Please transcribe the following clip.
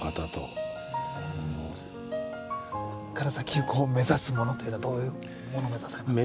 ここから先目指すものというのはどういうもの目指されますか？